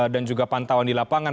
dan juga pantauan di lapangan